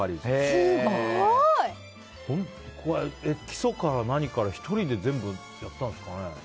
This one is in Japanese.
基礎から何から１人で全部やったんですかね。